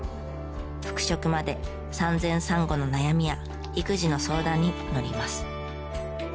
復職まで産前・産後の悩みや育児の相談に乗ります。